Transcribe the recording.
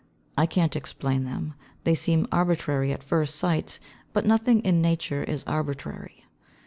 I can't explain them. They seem arbitrary at first sight, but nothing in Nature is arbitrary.